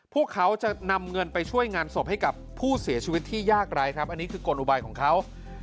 พวกเขาจะนำเงินไปช่วยงานศพให้กับผู้เสียชีวิตที่ยากไร้ครับอันนี้คือกลอุบายของเขา